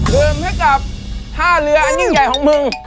เริ่มให้กับ๕เหลืออันยิ่งใหญ่ของมึง